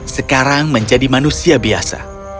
sekarang menjadi manusia biasa